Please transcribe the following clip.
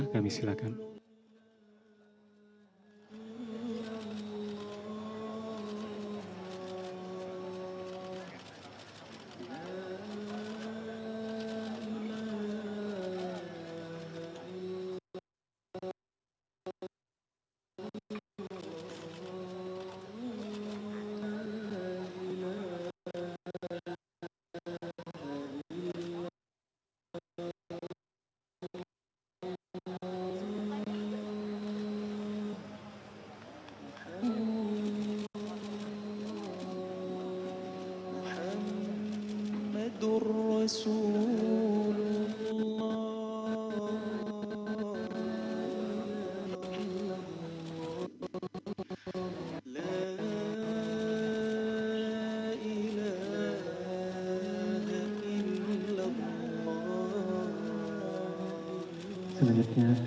bapak sarip kami silakan